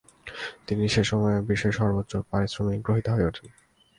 তিনি সেসময়ে বিশ্বের সর্বোচ্চ পারিশ্রমিক গ্রহীতা হয়ে ওঠেন।